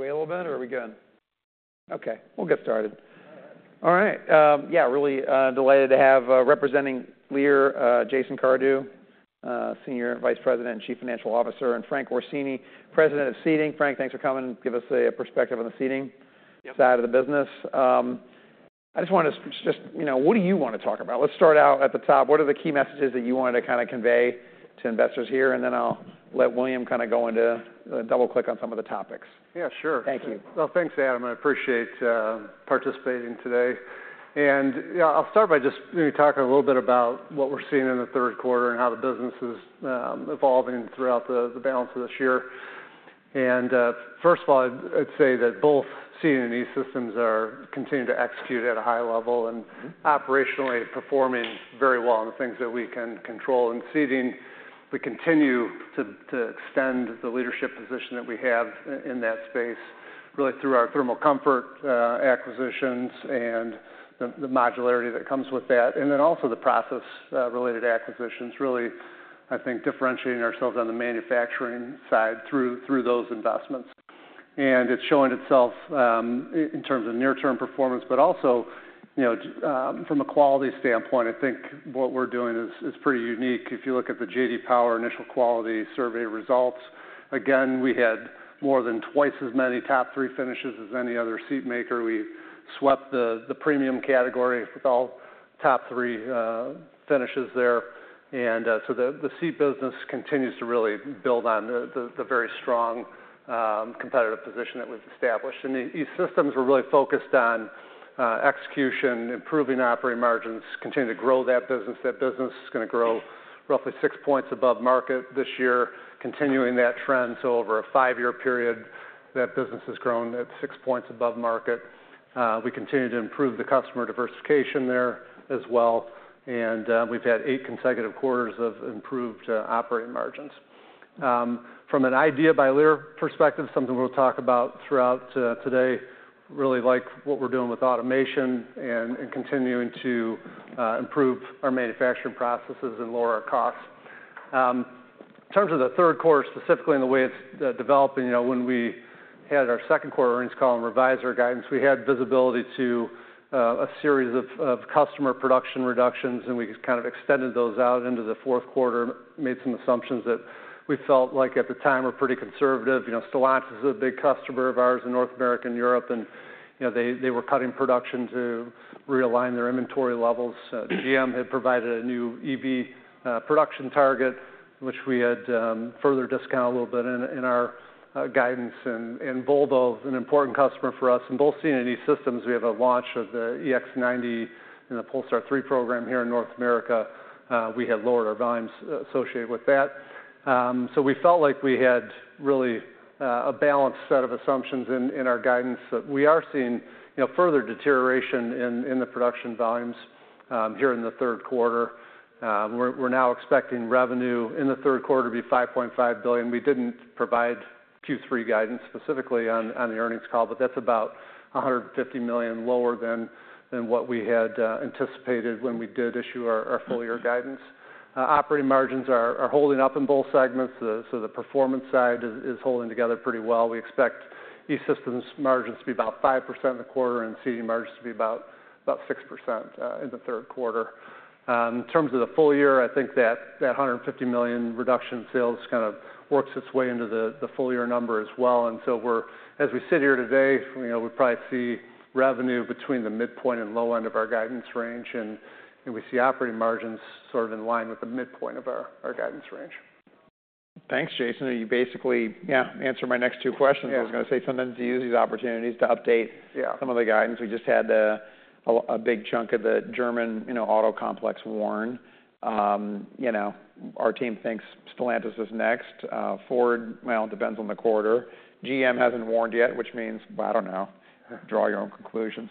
Wait a little bit, or are we good? Okay, we'll get started. All right, yeah, really delighted to have representing Lear, Jason Cardew, Senior Vice President and Chief Financial Officer, and Frank Orsini, President of Seating. Frank, thanks for coming. Give us a perspective on the seating. Yep Seating side of the business. I just wanted to, you know, what do you want to talk about? Let's start out at the top. What are the key messages that you wanted to kind of convey to investors here? And then I'll let William kind of go into double-click on some of the topics. Yeah, sure. Thank you. Well, thanks, Adam. I appreciate participating today. And, you know, I'll start by just maybe talking a little bit about what we're seeing in the third quarter and how the business is evolving throughout the balance of this year. And, first of all, I'd say that both Seating and E-Systems are continuing to execute at a high level and- Mm-hmm... operationally performing very well in the things that we can control. In Seating, we continue to extend the leadership position that we have in that space, really through our thermal comfort acquisitions and the modularity that comes with that, and then also the process related acquisitions, really, I think, differentiating ourselves on the manufacturing side through those investments. And it's showing itself in terms of near-term performance, but also, you know, from a quality standpoint, I think what we're doing is pretty unique. If you look at the J.D. Power Initial Quality Survey results, again, we had more than twice as many top three finishes as any other seat maker. We swept the premium category with all top three finishes there. The seat business continues to really build on the very strong competitive position that was established. E-Systems, we're really focused on execution, improving operating margins, continuing to grow that business. That business is gonna grow roughly 6 points above market this year, continuing that trend. Over a five-year period, that business has grown at six points above market. We continue to improve the customer diversification there as well, and we've had eight consecutive quarters of improved operating margins. From a Lear perspective, something we'll talk about throughout today, really like what we're doing with automation and continuing to improve our manufacturing processes and lower our costs. In terms of the third quarter, specifically in the way it's developing, you know, when we had our second-quarter earnings call and revised our guidance, we had visibility to a series of customer production reductions, and we kind of extended those out into the fourth quarter, made some assumptions that we felt like, at the time, were pretty conservative. You know, Stellantis is a big customer of ours in North America and Europe, and, you know, they were cutting production to realign their inventory levels. GM had provided a new EV production target, which we had further discounted a little bit in our guidance. Volvo is an important customer for us. In both Seating and E-Systems, we have a launch of the EX90 and the Polestar 3 program here in North America. We had lowered our volumes associated with that. So we felt like we had really a balanced set of assumptions in our guidance, but we are seeing, you know, further deterioration in the production volumes here in the third quarter. We're now expecting revenue in the third quarter to be $5.5 billion. We didn't provide Q3 guidance specifically on the earnings call, but that's about $150 million lower than what we had anticipated when we did issue our full-year guidance. Operating margins are holding up in both segments. So the performance side is holding together pretty well. We expect E-Systems' margins to be about 5% in the quarter, and Seating margins to be about 6% in the third quarter. In terms of the full year, I think that $150 million reduction in sales kind of works its way into the full-year number as well. And so we're, as we sit here today, you know, we probably see revenue between the midpoint and low end of our guidance range, and we see operating margins sort of in line with the midpoint of our guidance range. Thanks, Jason. You basically, yeah, answered my next two questions. Yeah. I was gonna say, sometimes you use these opportunities to update- Yeah... some of the guidance. We just had a big chunk of the German, you know, auto complex warn. You know, our team thinks Stellantis is next. Ford, well, it depends on the quarter. GM hasn't warned yet, which means, well, I don't know... draw your own conclusions.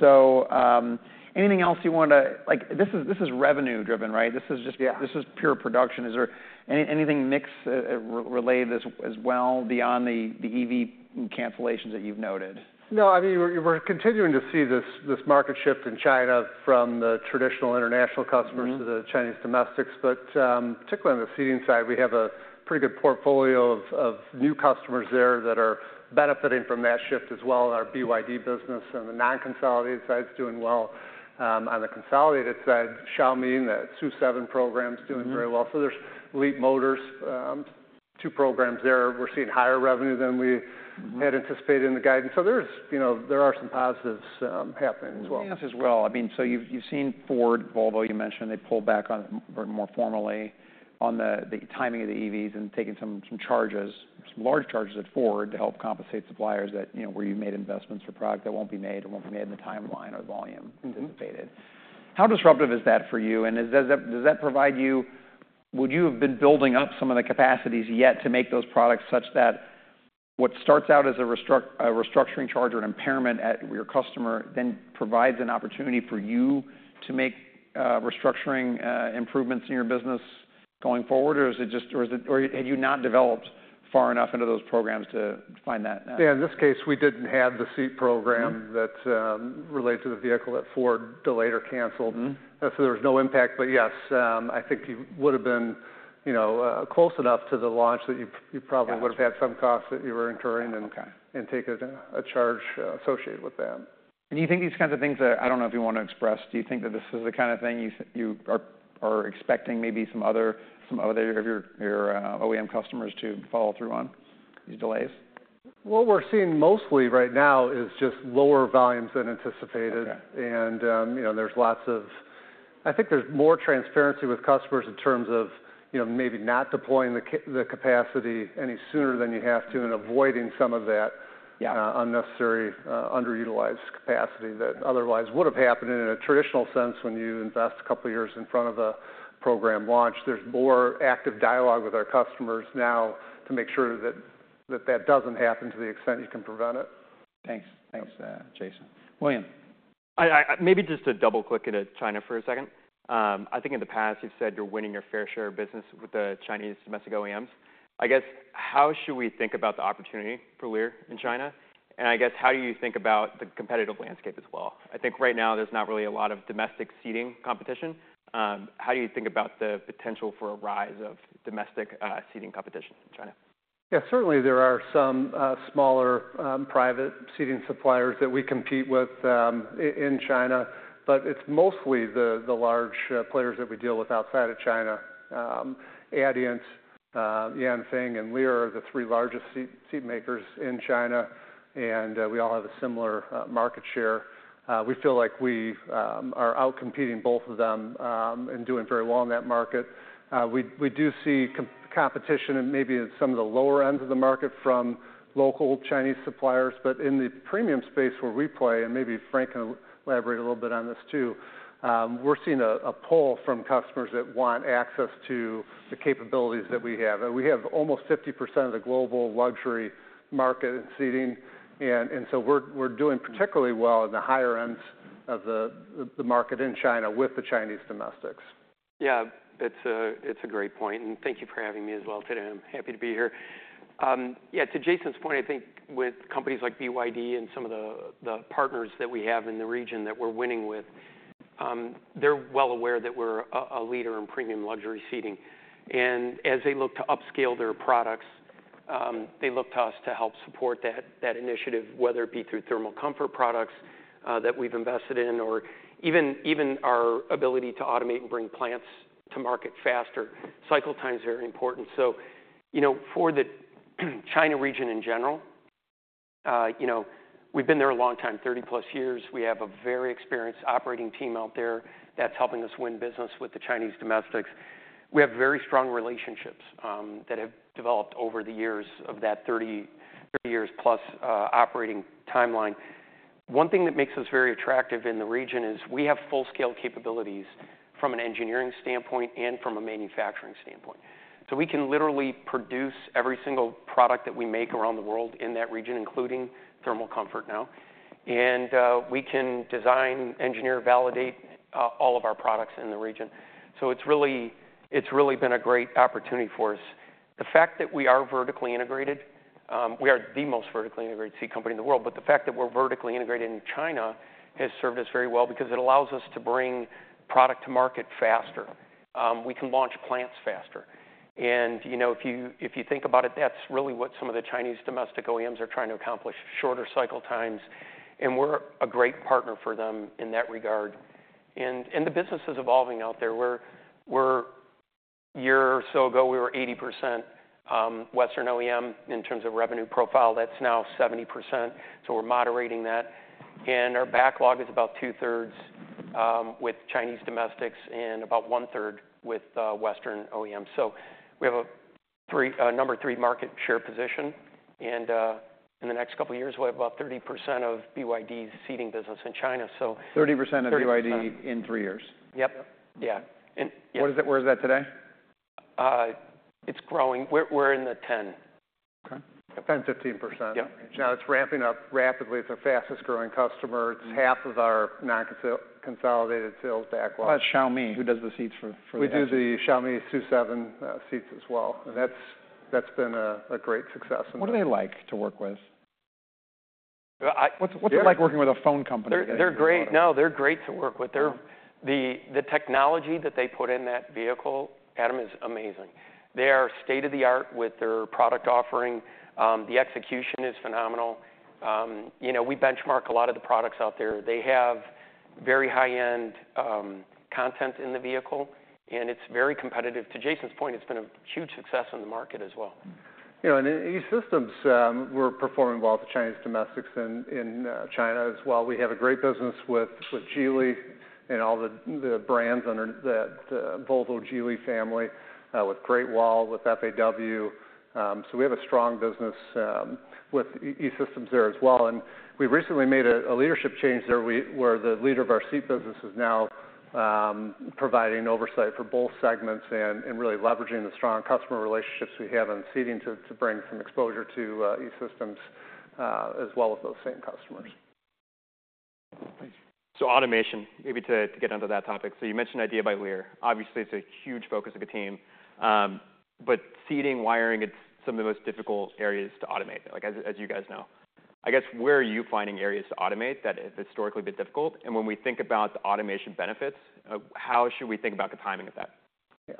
So, anything else you want to... like, this is, this is revenue-driven, right? This is just- Yeah. This is pure production. Is there anything mix related as well beyond the EV cancellations that you've noted? No, I mean, we're continuing to see this market shift in China from the traditional international customers- Mm-hmm... to the Chinese domestics. But, particularly on the Seating side, we have a pretty good portfolio of new customers there that are benefiting from that shift as well. Our BYD business on the non-consolidated side is doing well. On the consolidated side, Xiaomi, the SU7 program's doing- Mm-hmm... very well. So there's Leapmotor, two programs there. We're seeing higher revenue than we- Mm-hmm... had anticipated in the guidance. So there's, you know, there are some positives, happening as well. Yes, as well. I mean, so you've seen Ford, Volvo, you mentioned, they pulled back on, more formally, on the timing of the EVs and taking some large charges at Ford to help compensate suppliers that, you know, where you've made investments for product that won't be made or won't be made in the timeline or volume anticipated. Mm-hmm. How disruptive is that for you, and does that provide you? Would you have been building up some of the capacities yet to make those products, such that what starts out as a restructuring charge or an impairment at your customer then provides an opportunity for you to make restructuring improvements in your business, going forward, or is it just, or have you not developed far enough into those programs to find that out? Yeah, in this case, we didn't have the Seat program. Mm-hmm. -that, relates to the vehicle that Ford delayed or canceled. Mm-hmm. And so there was no impact, but yes, I think you would've been, you know, close enough to the launch that you probably- Got it would've had some costs that you were incurring and- Okay and taken a charge associated with that. Do you think these kinds of things that... I don't know if you want to express, do you think that this is the kind of thing you are expecting maybe some other of your OEM customers to follow through on, these delays? What we're seeing mostly right now is just lower volumes than anticipated. Okay. You know, there's lots of. I think there's more transparency with customers in terms of, you know, maybe not deploying the capacity any sooner than you have to, and avoiding some of that. Yeah Unnecessary underutilized capacity that otherwise would've happened in a traditional sense when you invest a couple of years in front of a program launch. There's more active dialogue with our customers now to make sure that doesn't happen to the extent you can prevent it. Thanks. Thanks, Jason. William? I maybe just to double-click into China for a second. I think in the past, you've said you're winning your fair share of business with the Chinese domestic OEMs. I guess, how should we think about the opportunity for Lear in China? And I guess, how do you think about the competitive landscape as well? I think right now there's not really a lot of domestic seating competition. How do you think about the potential for a rise of domestic seating competition in China? Yeah, certainly there are some smaller private seating suppliers that we compete with in China, but it's mostly the large players that we deal with outside of China. Adient, Yanfeng, and Lear are the three largest seat makers in China, and we all have a similar market share. We feel like we are outcompeting both of them and doing very well in that market. We do see competition and maybe in some of the lower ends of the market from local Chinese suppliers, but in the premium space where we play, and maybe Frank can elaborate a little bit on this too, we're seeing a pull from customers that want access to the capabilities that we have. And we have almost 50% of the global luxury market in seating, and so we're doing particularly well in the higher ends of the market in China with the Chinese domestics. Yeah, it's a great point, and thank you for having me as well today. I'm happy to be here. Yeah, to Jason's point, I think with companies like BYD and some of the partners that we have in the region that we're winning with, they're well aware that we're a leader in premium luxury seating. And as they look to upscale their products, they look to us to help support that initiative, whether it be through thermal comfort products that we've invested in, or even our ability to automate and bring plants to market faster. Cycle times are very important. So you know, for the China region in general, you know, we've been there a long time, 30+ years. We have a very experienced operating team out there that's helping us win business with the Chinese domestics. We have very strong relationships that have developed over the years of that 30+ years operating timeline. One thing that makes us very attractive in the region is we have full-scale capabilities from an engineering standpoint and from a manufacturing standpoint. So we can literally produce every single product that we make around the world in that region, including thermal comfort now, and we can design, engineer, validate all of our products in the region. So it's really been a great opportunity for us. The fact that we are vertically integrated, we are the most vertically integrated seat company in the world, but the fact that we're vertically integrated in China has served us very well because it allows us to bring product to market faster. We can launch plants faster. And, you know, if you think about it, that's really what some of the Chinese domestic OEMs are trying to accomplish: shorter cycle times. And we're a great partner for them in that regard. And the business is evolving out there. A year or so ago, we were 80% Western OEM in terms of revenue profile. That's now 70%, so we're moderating that. And our backlog is about 2/3 with Chinese domestics and about 1/3 with Western OEMs. So we have a number three market share position, and in the next couple of years, we'll have about 30% of BYD's seating business in China, so- 30% of BYD- 30%. in three years? Yep. Yeah, and- What is that, where is that today? It's growing. We're in the 10. Okay. 10%-15%. Yep. Now, it's ramping up rapidly. It's our fastest-growing customer. Mm-hmm. It's half of our non-consolidated sales backlog. How about Xiaomi, who does the seats for the- We do the Xiaomi SU7 seats as well, and that's been a great success in the- What are they like to work with? Well, I- What's it like working with a phone company? They're great. No, they're great to work with. Yeah. The technology that they put in that vehicle, Adam, is amazing. They are state-of-the-art with their product offering. The execution is phenomenal. You know, we benchmark a lot of the products out there. They have very high-end content in the vehicle, and it's very competitive. To Jason's point, it's been a huge success in the market as well. You know, and E-Systems, we're performing well with the Chinese domestics in China as well. We have a great business with Geely and all the brands under the Volvo Geely family, with Great Wall, with FAW. So we have a strong business with E-Systems there as well. And we recently made a leadership change there, where the leader of our seat business is now providing oversight for both segments and really leveraging the strong customer relationships we have in seating to bring some exposure to E-Systems, as well as those same customers.... So automation, maybe to get onto that topic. So you mentioned E-Systems. Obviously, it's a huge focus of the team. But seating, wiring, it's some of the most difficult areas to automate, like, as you guys know. I guess, where are you finding areas to automate that have historically been difficult? And when we think about the automation benefits, how should we think about the timing of that? Yeah.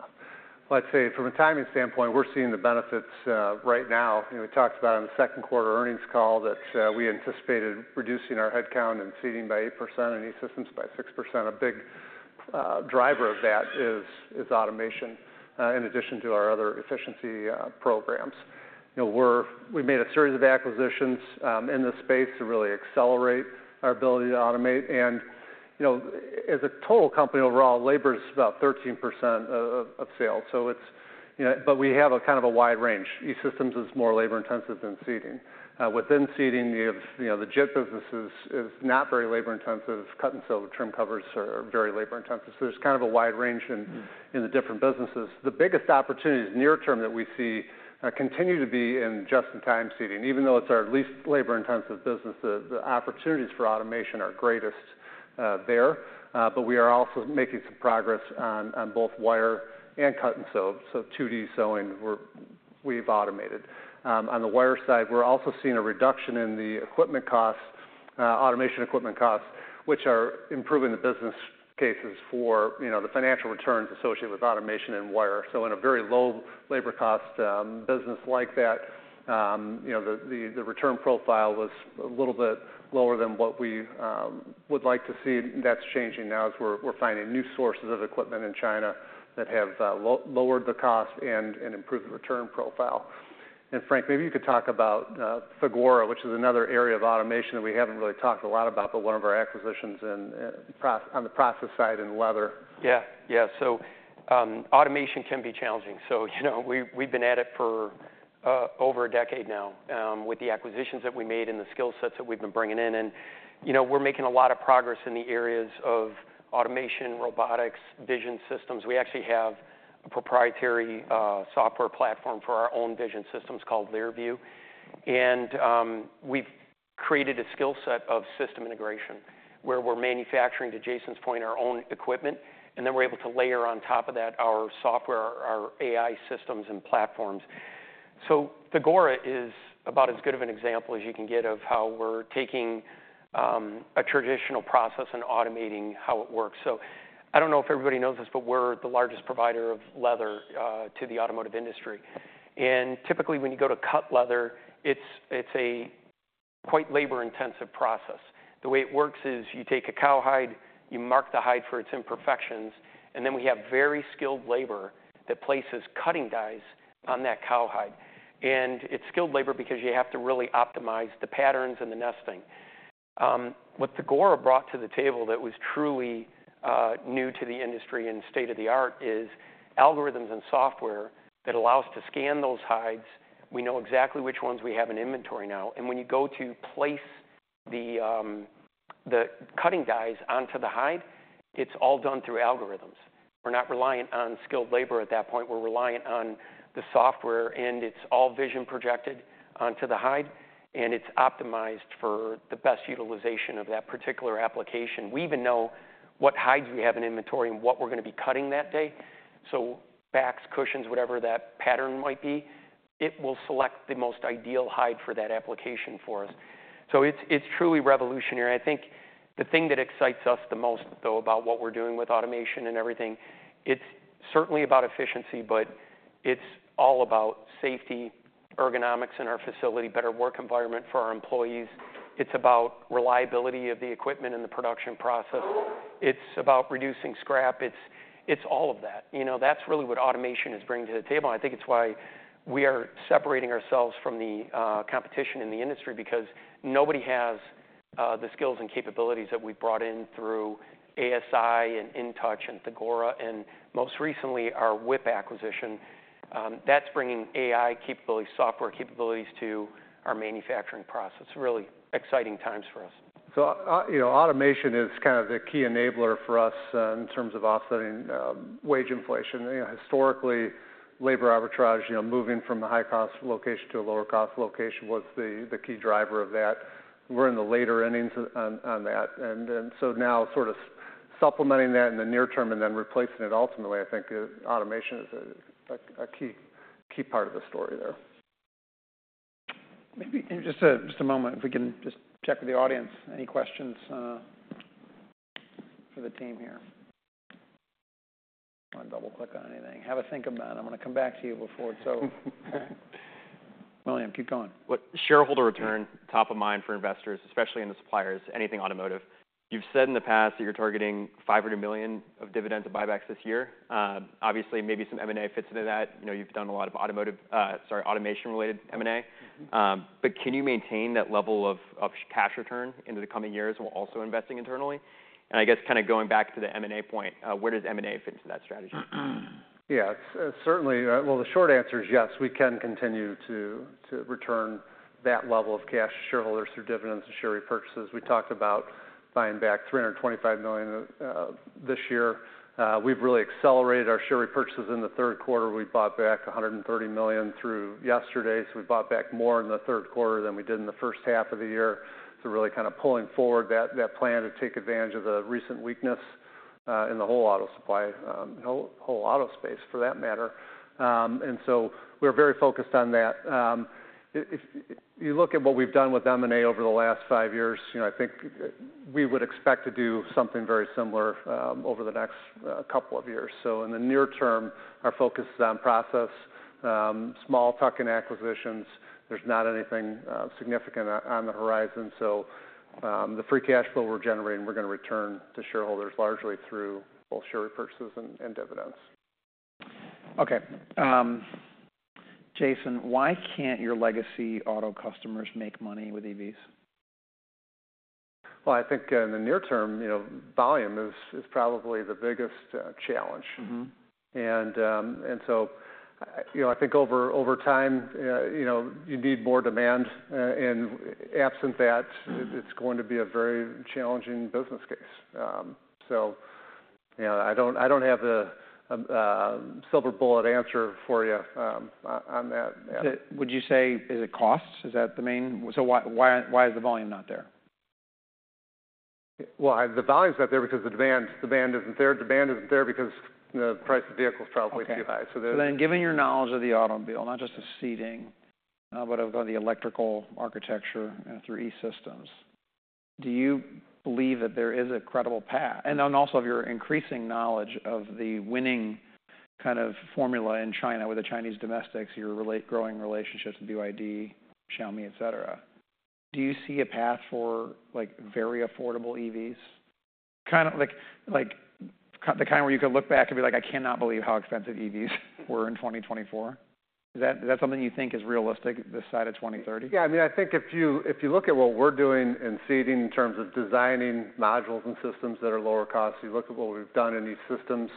Well, I'd say from a timing standpoint, we're seeing the benefits right now. You know, we talked about on the second quarter earnings call that we anticipated reducing our headcount and seating by 8%, and E-Systems by 6%. A big driver of that is automation in addition to our other efficiency programs. You know, we've made a series of acquisitions in this space to really accelerate our ability to automate. And, you know, as a total company, overall, labor is about 13% of sales, so it's, you know. But we have a kind of a wide range. E-Systems is more labor intensive than seating. Within seating, you have, you know, the JIT business is not very labor intensive. Cut and sew, trim covers are very labor intensive. So there's kind of a wide range in the different businesses. The biggest opportunities near term that we see continue to be in Just-in-Time seating. Even though it's our least labor-intensive business, the opportunities for automation are greatest there. But we are also making some progress on both wire and Cut & Sew. So 2D sewing, we've automated. On the wire side, we're also seeing a reduction in the equipment costs, automation equipment costs, which are improving the business cases for, you know, the financial returns associated with automation and wire. So in a very low labor cost business like that, you know, the return profile was a little bit lower than what we would like to see. That's changing now, as we're finding new sources of equipment in China that have lowered the cost and improved the return profile. And Frank, maybe you could talk about Thagora, which is another area of automation that we haven't really talked a lot about, but one of our acquisitions on the process side in leather. Yeah. Yeah. So, automation can be challenging. So, you know, we, we've been at it for, over a decade now, with the acquisitions that we made and the skill sets that we've been bringing in. And, you know, we're making a lot of progress in the areas of automation, robotics, vision systems. We actually have a proprietary, software platform for our own vision systems called LearVUE. And, we've created a skill set of system integration, where we're manufacturing, to Jason's point, our own equipment, and then we're able to layer on top of that our software, our AI systems, and platforms. So Thagora is about as good of an example as you can get of how we're taking, a traditional process and automating how it works. So I don't know if everybody knows this, but we're the largest provider of leather to the automotive industry. And typically, when you go to cut leather, it's a quite labor-intensive process. The way it works is you take a cowhide, you mark the hide for its imperfections, and then we have very skilled labor that places cutting dies on that cowhide. And it's skilled labor because you have to really optimize the patterns and the nesting. What Thagora brought to the table that was truly new to the industry and state-of-the-art is algorithms and software that allow us to scan those hides. We know exactly which ones we have in inventory now, and when you go to place the cutting dies onto the hide, it's all done through algorithms. We're not reliant on skilled labor at that point. We're reliant on the software, and it's all vision projected onto the hide, and it's optimized for the best utilization of that particular application. We even know what hides we have in inventory and what we're gonna be cutting that day. So backs, cushions, whatever that pattern might be, it will select the most ideal hide for that application for us. So it's, it's truly revolutionary. I think the thing that excites us the most, though, about what we're doing with automation and everything, it's certainly about efficiency, but it's all about safety, ergonomics in our facility, better work environment for our employees. It's about reliability of the equipment and the production process. It's about reducing scrap. It's, it's all of that. You know, that's really what automation is bringing to the table, and I think it's why we are separating ourselves from the competition in the industry, because nobody has the skills and capabilities that we've brought in through ASI and InTouch and Thagora and, most recently, our WIP acquisition. That's bringing AI capabilities, software capabilities to our manufacturing process. Really exciting times for us. So, you know, automation is kind of the key enabler for us in terms of offsetting wage inflation. You know, historically, labor arbitrage, you know, moving from a high-cost location to a lower-cost location was the key driver of that. We're in the later innings on that. And then, so now sort of supplementing that in the near term and then replacing it ultimately, I think, automation is a key part of the story there. Maybe in just a moment, if we can just check with the audience. Any questions for the team here? Want to double-click on anything? Have a think about it. I'm gonna come back to you before it's over. William, keep going. Look, shareholder return, top of mind for investors, especially in the suppliers, anything automotive. You've said in the past that you're targeting $500 million of dividends and buybacks this year. Obviously, maybe some M&A fits into that. You know, you've done a lot of automation-related M&A. Mm-hmm. But can you maintain that level of cash return into the coming years while also investing internally? And I guess kind of going back to the M&A point, where does M&A fit into that strategy? Yeah, certainly. Well, the short answer is yes, we can continue to return that level of cash to shareholders through dividends and share repurchases. We talked about buying back $325 million this year. We've really accelerated our share repurchases in the third quarter. We bought back $130 million through yesterday, so we bought back more in the third quarter than we did in the first half of the year. So really kind of pulling forward that plan to take advantage of the recent weakness in the whole auto supply, whole auto space, for that matter. And so we're very focused on that. If you look at what we've done with M&A over the last five years, you know, I think we would expect to do something very similar over the next couple of years. So in the near term, our focus is on process small tuck-in acquisitions. There's not anything significant on the horizon. So, the free cash flow we're generating, we're gonna return to shareholders largely through both share repurchases and dividends. Okay. Jason, why can't your legacy auto customers make money with EVs? I think, in the near term, you know, volume is probably the biggest challenge. Mm-hmm. I think over time, you know, you need more demand. Absent that- Mm-hmm... it's going to be a very challenging business case. So, you know, I don't have the silver bullet answer for you, on that. Would you say, is it cost? Is that the main... So why, why, why is the volume not there? The volume's not there because the demand isn't there. Demand isn't there because the price of vehicles is probably too high. Okay. So the- Given your knowledge of the automobile, not just the seating, but of the electrical architecture and through E-Systems, do you believe that there is a credible path? And then also, of your increasing knowledge of the winning kind of formula in China with the Chinese domestics, your growing relationships with BYD, Xiaomi, et cetera, do you see a path for, like, very affordable EVs? Kind of like the kind where you could look back and be like: I cannot believe how expensive EVs were in 2024. Is that something you think is realistic this side of 2030? Yeah, I mean, I think if you look at what we're doing in seating, in terms of designing modules and systems that are lower cost, you look at what we've done in these systems,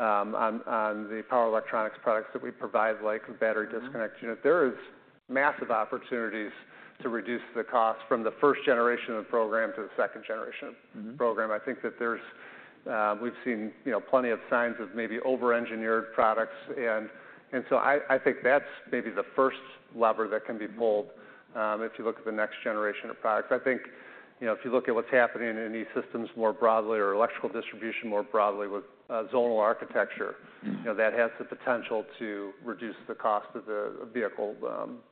on the power electronics products that we provide, like battery disconnect- Mm-hmm... unit, there is massive opportunities to reduce the cost from the 1st-gen of the program to the 2nd-gen- Mm-hmm... program. I think that there's, we've seen, you know, plenty of signs of maybe over-engineered products. And so I think that's maybe the first lever that can be pulled, if you look at the next generation of products. I think, you know, if you look at what's happening in E-Systems more broadly, or electrical distribution more broadly, with, zonal architecture- Mm-hmm... you know, that has the potential to reduce the cost of the vehicle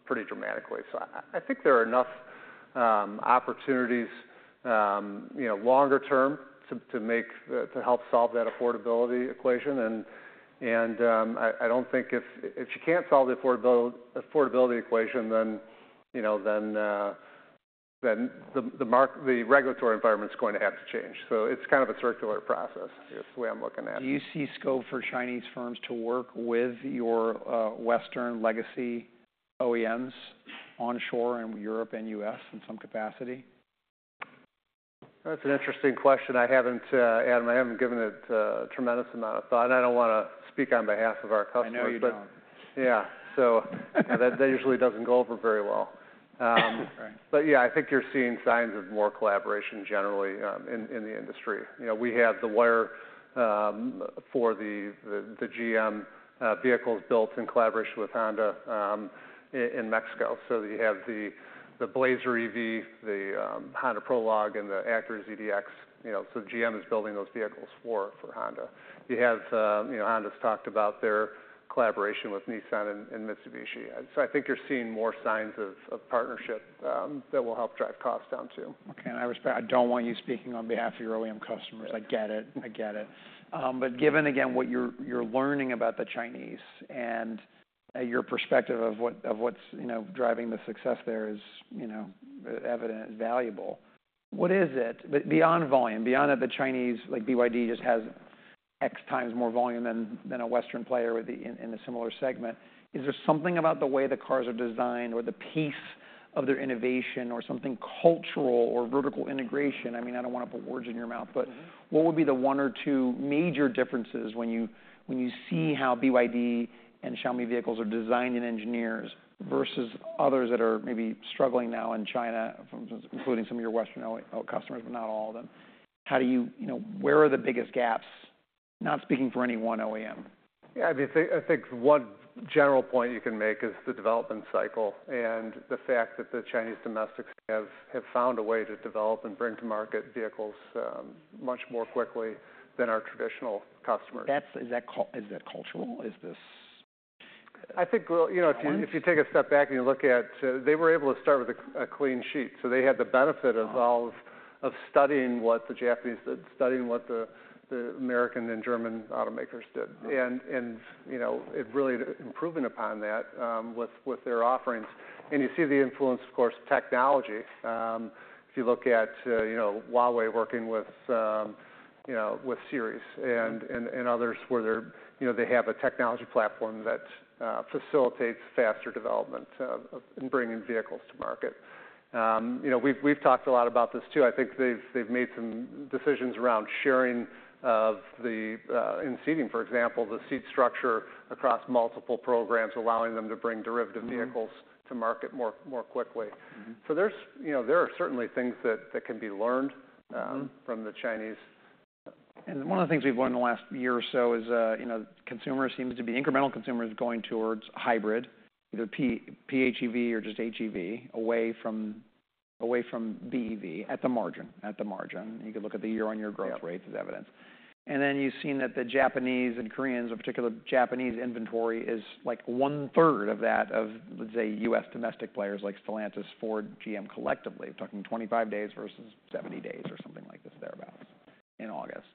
pretty dramatically. So I think there are enough opportunities, you know, longer term to make to help solve that affordability equation. And I don't think if... If you can't solve the affordability equation, then, you know, then the regulatory environment's going to have to change. So it's kind of a circular process, is the way I'm looking at it. Do you see scope for Chinese firms to work with your, Western legacy OEMs onshore in Europe and US in some capacity? That's an interesting question. I haven't, Adam, I haven't given it a tremendous amount of thought, and I don't want to speak on behalf of our customers. I know you don't. Yeah. That usually doesn't go over very well. Right... but yeah, I think you're seeing signs of more collaboration generally, in the industry. You know, we have the wire for the GM vehicles built in collaboration with Honda in Mexico. So you have the Blazer EV, the Honda Prologue, and the Acura ZDX. You know, so GM is building those vehicles for Honda. You have, you know, Honda's talked about their collaboration with Nissan and Mitsubishi. So I think you're seeing more signs of partnership that will help drive costs down, too. Okay, and I respect. I don't want you speaking on behalf of your OEM customers. Right. I get it. I get it. But given, again, what you're learning about the Chinese and your perspective of what's, you know, driving the success there is, you know, evident and valuable, what is it that beyond volume, beyond that the Chinese, like BYD, just has X times more volume than a Western player with the in a similar segment, is there something about the way the cars are designed or the pace of their innovation or something cultural or vertical integration? I mean, I don't want to put words in your mouth- Mm-hmm... but what would be the one or two major differences when you see how BYD and Xiaomi vehicles are designed and engineered versus others that are maybe struggling now in China, including some of your Western OEM customers, but not all of them? How do you... You know, where are the biggest gaps? Not speaking for any one OEM. Yeah, I think one general point you can make is the development cycle and the fact that the Chinese domestics have found a way to develop and bring to market vehicles, much more quickly than our traditional customers. Is that cultural? Is this- I think, well-... trend? You know, if you take a step back and you look at, they were able to start with a clean sheet, so they had the benefit of all- Uh-huh... of studying what the Japanese did, studying what the American and German automakers did. Uh-huh. You know, it really improving upon that with their offerings. You see the influence, of course, technology. If you look at you know, Huawei working with you know, with Seres and others where they're you know, they have a technology platform that facilitates faster development of in bringing vehicles to market. You know, we've talked a lot about this, too. I think they've made some decisions around sharing of the in seating, for example, the seat structure across multiple programs, allowing them to bring derivative vehicles- Mm-hmm... to market more quickly. Mm-hmm. There's, you know, there are certainly things that can be learned. Mm-hmm... from the Chinese. One of the things we've learned in the last year or so is, you know, consumers seem to be incremental consumers going towards hybrid, either PHEV or just HEV, away from-... away from BEV at the margin, at the margin. You can look at the year-on-year growth rates as evidence. And then you've seen that the Japanese and Koreans, in particular, Japanese inventory, is like 1/3 of that of, let's say, US domestic players like Stellantis, Ford, GM, collectively. We're talking 25 days versus 70 days or something like this, thereabout, in August.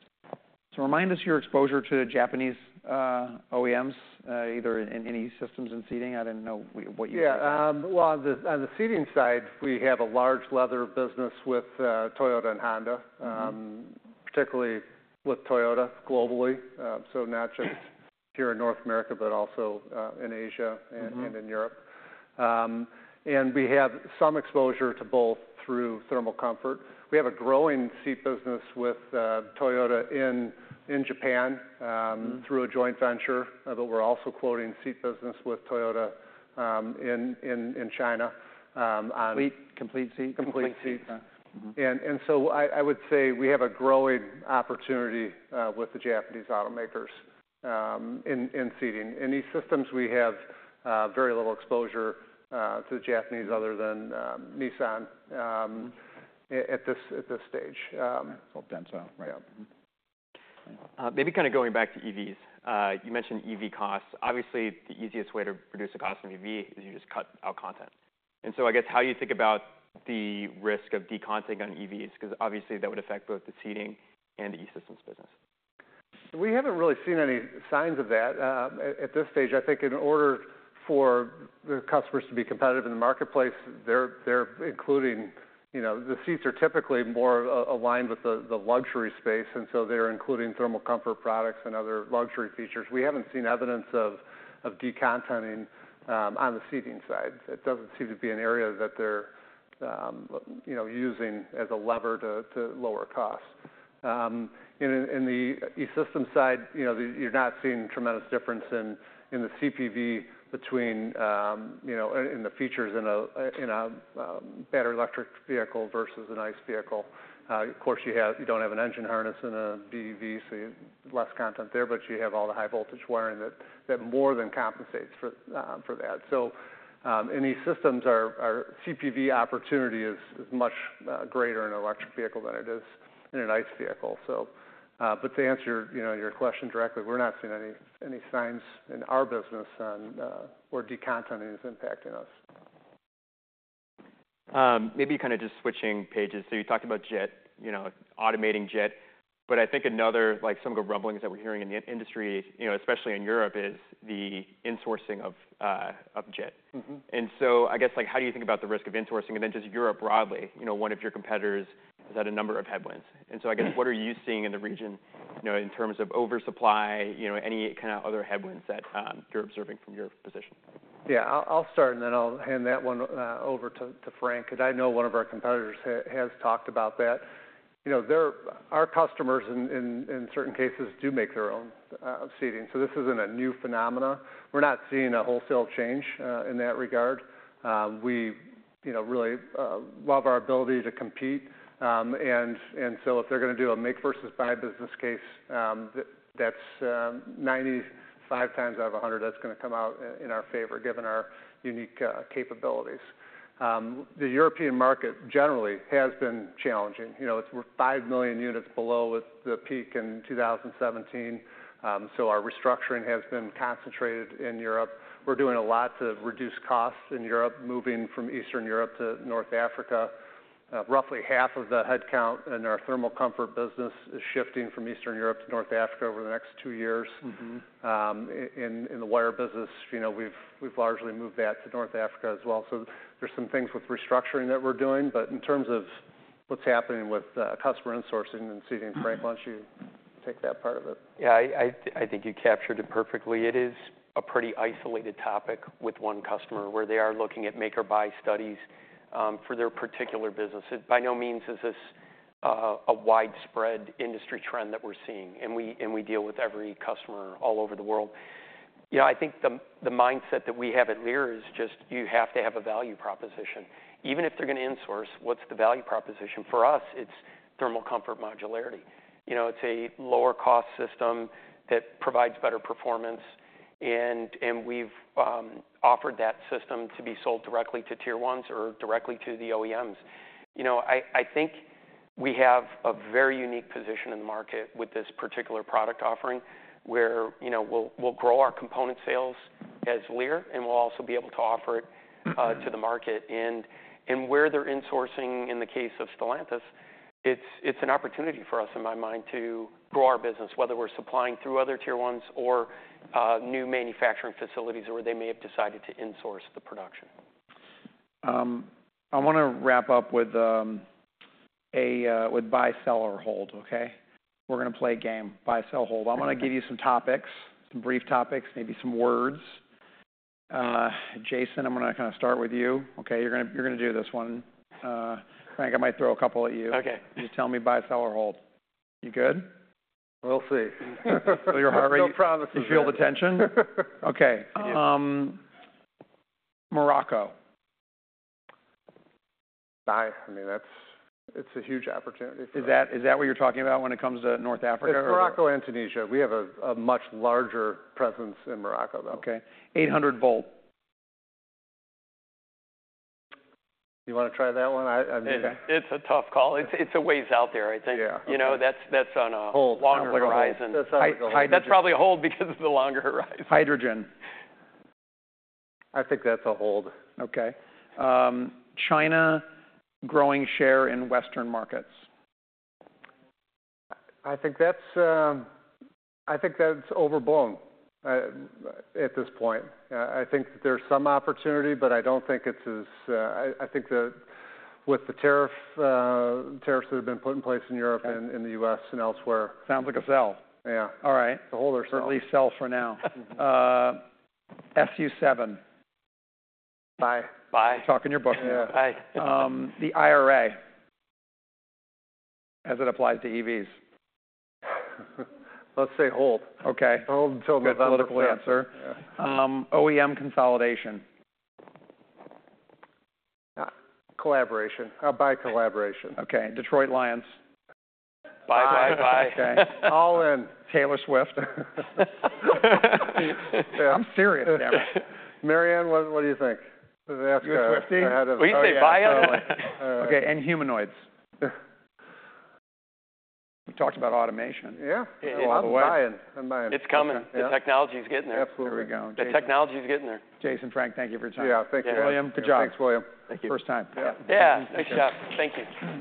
So remind us your exposure to Japanese OEMs, either in any systems in seating. I didn't know we-- what you- Yeah, well, on the Seating side, we have a large leather business with Toyota and Honda- Mm-hmm. particularly with Toyota globally, so not just here in North America, but also in Asia- Mm-hmm... and in Europe, and we have some exposure to both through thermal comfort. We have a growing seat business with Toyota in Japan. Mm-hmm... through a joint venture, but we're also quoting seating business with Toyota, in China, on- Complete? Complete seat. Complete seat. Mm-hmm. So I would say we have a growing opportunity with the Japanese automakers in seating. In E-Systems, we have very little exposure to the Japanese other than Nissan at this stage. It's all done, so, yeah. Mm-hmm. Maybe kind of going back to EVs. You mentioned EV costs. Obviously, the easiest way to reduce the cost of an EV is you just cut out content. And so, I guess, how you think about the risk of decontenting on EVs, 'cause obviously, that would affect both the seating and E-Systems business? We haven't really seen any signs of that. At this stage, I think in order for the customers to be competitive in the marketplace, they're including... You know, the seats are typically more aligned with the luxury space, and so they're including thermal comfort products and other luxury features. We haven't seen evidence of decontenting on the Seating side. It doesn't seem to be an area that they're you know, using as a lever to lower cost. In the E-Systems side, you know, you're not seeing tremendous difference in the CPV between in the features in a better electric vehicle versus an ICE vehicle. Of course, you don't have an engine harness in a BEV, so less content there, but you have all the high-voltage wiring that more than compensates for that. So, in E-Systems, our CPV opportunity is much greater in an electric vehicle than it is in an ICE vehicle. But to answer, you know, your question directly, we're not seeing any signs in our business on where decontenting is impacting us. Maybe kind of just switching pages. So you talked about JIT, you know, automating JIT, but I think another, like, some of the rumblings that we're hearing in the industry, you know, especially in Europe, is the insourcing of JIT. Mm-hmm. And so I guess, like, how do you think about the risk of insourcing and then just Europe broadly? You know, one of your competitors has had a number of headwinds. And so, I guess, what are you seeing in the region, you know, in terms of oversupply, you know, any kind of other headwinds that you're observing from your position? Yeah, I'll start, and then I'll hand that one over to Frank, because I know one of our competitors has talked about that. You know, their, our customers in certain cases do make their own seating, so this isn't a new phenomenon. We're not seeing a wholesale change in that regard. We, you know, really love our ability to compete, and so if they're gonna do a make versus buy business case, that's 95 times out of a hundred that's gonna come out in our favor, given our unique capabilities. The European market generally has been challenging. You know, it's, we're five million units below the peak in 2017, so our restructuring has been concentrated in Europe. We're doing a lot to reduce costs in Europe, moving from Eastern Europe to North Africa. Roughly half of the headcount in our thermal comfort business is shifting from Eastern Europe to North Africa over the next two years. Mm-hmm. In the wire business, you know, we've largely moved that to North Africa as well. So there's some things with restructuring that we're doing, but in terms of what's happening with customer insourcing and seating, Frank, why don't you take that part of it? Yeah, I think you captured it perfectly. It is a pretty isolated topic with one customer, where they are looking at make or buy studies for their particular business. It by no means is this a widespread industry trend that we're seeing, and we deal with every customer all over the world. You know, I think the mindset that we have at Lear is just you have to have a value proposition. Even if they're gonna insource, what's the value proposition? For us, it's thermal comfort modularity. You know, it's a lower cost system that provides better performance, and we've offered that system to be sold directly to tier ones or directly to the OEMs. You know, I think we have a very unique position in the market with this particular product offering, where, you know, we'll grow our component sales as Lear, and we'll also be able to offer it. Mm-hmm... to the market. And where they're insourcing, in the case of Stellantis, it's an opportunity for us, in my mind, to grow our business, whether we're supplying through other tier ones or new manufacturing facilities where they may have decided to insource the production. I wanna wrap up with buy, sell, or hold, okay? We're gonna play a game, buy, sell, hold. Okay. I'm gonna give you some topics, some brief topics, maybe some words. Jason, I'm gonna kind of start with you, okay? You're gonna do this one. Frank, I might throw a couple at you. Okay. Just tell me, buy, sell, or hold. You good? We'll see. So your heart rate- No promises. You feel the tension? Okay. Yeah. Um, Morocco. Buy. I mean, that's, it's a huge opportunity for us. Is that, is that what you're talking about when it comes to North Africa, or- It's Morocco and Tunisia. We have a much larger presence in Morocco, though. Okay, 800-volt. You wanna try that one? Okay. It's a tough call. It's a ways out there, I think. Yeah. You know, that's, that's on a- Hold... longer horizon. That's on the horizon. That's probably a hold because of the longer horizon. Hydrogen. I think that's a hold. Okay. China growing share in Western markets. I think that's overblown at this point. I think there's some opportunity, but I don't think it's as I think, with the tariffs that have been put in place in Europe- Okay... and in the U.S. and elsewhere- Sounds like a sell. Yeah. All right. It's a hold or sell. At least sell for now. SU7. Buy. Buy. Talk in your book. Yeah. Buy. The IRA as it applies to EVs. Let's say hold. Okay. Hold until the- Good political answer. Yeah. OEM consolidation. Uh, collaboration. BYD collaboration. Okay, Detroit Lions. Buy. Buy, buy. Okay. All in. Taylor Swift. Yeah. I'm serious, damn it! Marianne, what, what do you think? Let's ask her. You a Swiftie? What do you say, buy? Okay, and humanoids. We talked about automation. Yeah. Yeah. Well, I'm buying. I'm buying. It's coming. Okay, yeah. The technology is getting there. Absolutely. There we go. The technology is getting there. Jason, Frank, thank you for your time. Yeah, thank you. Yeah. William, good job. Thanks, William. Thank you. First time. Yeah. Yeah, great job. Thank you.